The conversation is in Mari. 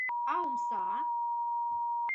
А омса?